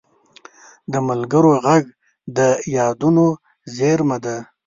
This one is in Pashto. د ملګرو غږ د یادونو زېرمه ده